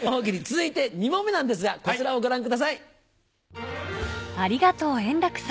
続いて２問目なんですが、こちらをご覧ください。